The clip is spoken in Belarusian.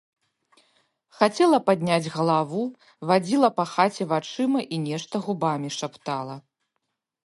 Хацела падняць галаву, вадзіла па хаце вачыма і нешта губамі шаптала.